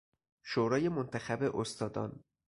شورای منتخب استادان